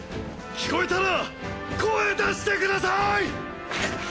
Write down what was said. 聞こえたら声出してくださいッ。